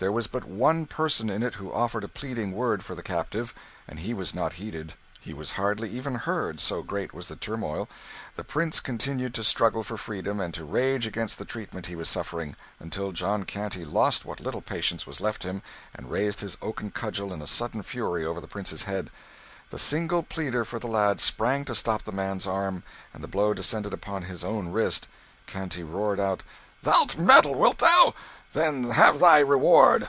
There was but one person in it who offered a pleading word for the captive, and he was not heeded; he was hardly even heard, so great was the turmoil. The Prince continued to struggle for freedom, and to rage against the treatment he was suffering, until John Canty lost what little patience was left in him, and raised his oaken cudgel in a sudden fury over the Prince's head. The single pleader for the lad sprang to stop the man's arm, and the blow descended upon his own wrist. Canty roared out "Thou'lt meddle, wilt thou? Then have thy reward."